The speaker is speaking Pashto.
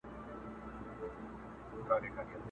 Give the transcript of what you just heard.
دلته برېتورو له مردیه لاس پرېولی دی٫